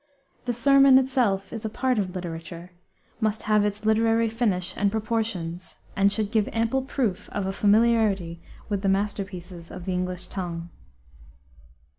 The sermon itself is a part of literature, must have its literary finish and proportions, and should give ample proof of a familiarity with the masterpieces of the English tongue.